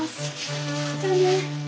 じゃあね。